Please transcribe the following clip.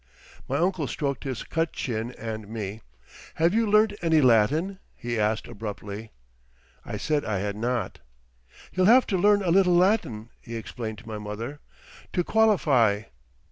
My uncle stroked his cut chin and me. "Have you learnt any Latin?" he asked abruptly. I said I had not. "He'll have to learn a little Latin," he explained to my mother, "to qualify.